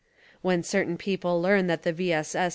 When certain people learn that the V. S. S.